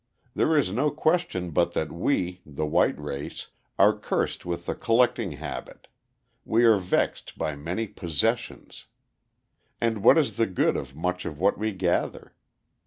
There is no question but that we the white race are cursed with the collecting habit; we are vexed by many possessions. And what is the good of much of what we gather?